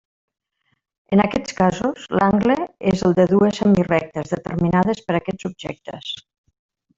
En aquests casos, l'angle és el de dues semirectes determinades per aquests objectes.